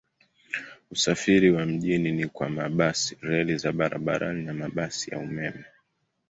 Usafiri wa mjini ni kwa mabasi, reli za barabarani na mabasi ya umeme.